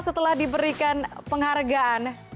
setelah diberikan penghargaan